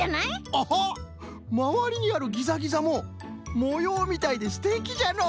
アハまわりにあるギザギザももようみたいですてきじゃのう。